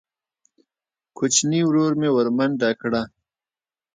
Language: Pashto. کوچیني ورور مې ورمنډه کړه.